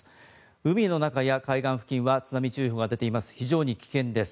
海の中や海岸付近は津波注意報が出ています。